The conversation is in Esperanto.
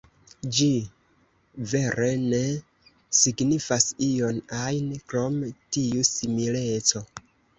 Ĝi vere ne signifas ion ajn krom tiu simileco.